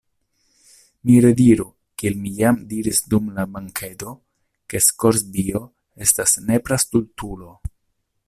Mi rediru, kiel mi jam diris dum la bankedo, ke Skorzbio estas nepra stultulo.